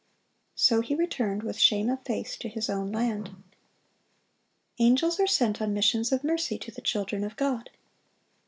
"So he returned with shame of face to his own land."(904) Angels are sent on missions of mercy to the children of God.